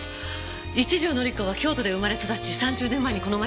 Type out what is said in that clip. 一条典子は京都で生まれ育ち３０年前にこの町を去った。